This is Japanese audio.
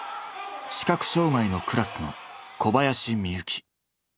視覚障がいのクラスの小林深雪。